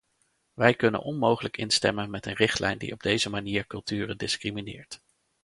Wij kunnen onmogelijk instemmen met een richtlijn die op deze manier culturen discrimineert.